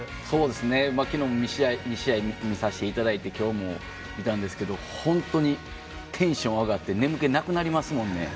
昨日も２試合見させていただいて今日も見たんですけど本当にテンション上がって眠気なくなりますもんね。